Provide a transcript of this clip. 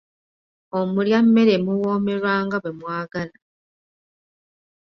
Omulya mmere muwoomerwa nga bwe mwagala.